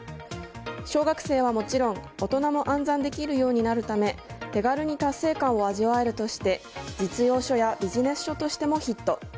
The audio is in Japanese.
小学生はもちろん大人も暗算できるようになるため手軽に達成感を味わえるとして実用書やビジネス書としてもヒット。